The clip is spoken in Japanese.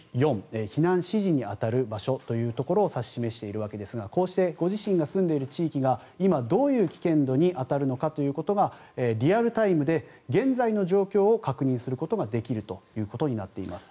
４避難指示に当たる場所というところを指し示しているわけですがこうしてご自身が住んでいる地域が今どういう危険度に当たるのかということがリアルタイムで現在の状況を確認することができるとなっています。